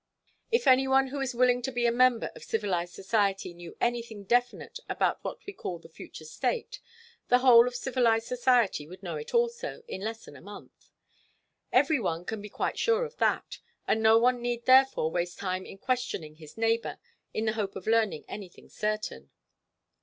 If any one who is willing to be a member of civilized society knew anything definite about what we call the future state, the whole of civilized society would know it also in less than a month. Every one can be quite sure of that, and no one need therefore waste time in questioning his neighbour in the hope of learning anything certain.